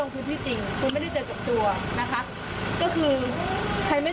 แล้วก็ทั้งโรงพยาบาลสนานก็ไม่มี